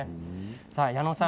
矢野さん